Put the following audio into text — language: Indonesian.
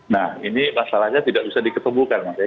nah ini masalahnya tidak bisa diketubuhkan maksudnya